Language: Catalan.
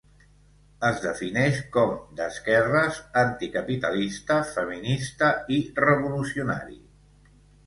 Es defineix com d'esquerres, anticapitalista, feminista i revolucionari.